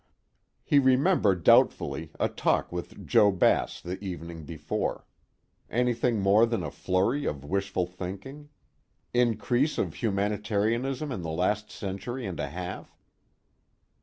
He remembered doubtfully a talk with Joe Bass the evening before anything more than a flurry of wishful thinking? Increase of humanitarianism in the last century and a half?